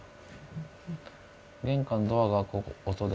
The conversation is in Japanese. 玄関ドアが開く音で。